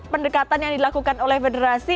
pendekatan yang dilakukan oleh federasi